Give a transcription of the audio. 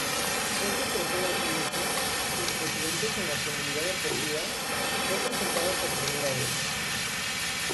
Este trofeo único, sin precedentes en la comunidad deportiva, fue presentado por primera vez.